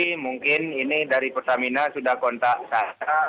tapi mungkin ini dari pertamina sudah kontak sah